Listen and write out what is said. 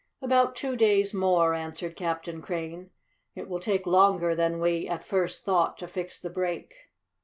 "About two days more," answered Captain Crane. "It will take longer than we at first thought to fix the break."